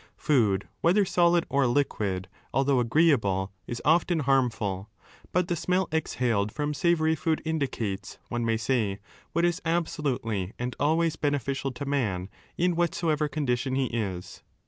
Food, whether solid or liquid, although agreeable, is often harmful; but the smell exhaled from savoury food indicates, one may say, what is absolutely and always beneficial to man in whatsoever 18 condition he is.